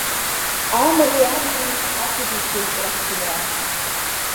Амреи, амзеи, асабицәеи раҳҭынра!